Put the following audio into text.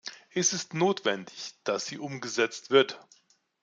Es ist notwendig, dass sie umgesetzt wird.